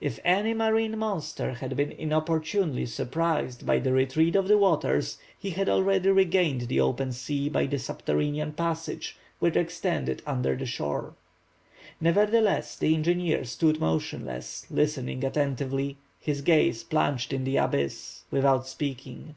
If any marine monster had been inopportunely surprised by the retreat of the waters, he had already regained the open sea by the subterranean passage which extended under the shore. Nevertheless the engineer stood motionless, listening attentively, his gaze plunged in the abyss, without speaking.